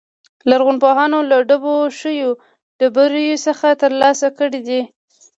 لرغونپوهانو له ډوبو شویو بېړیو څخه ترلاسه کړي دي